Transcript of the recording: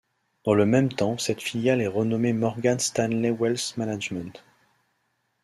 Dans le même temps cette filiale est renommée Morgan Stanley Wealth Management.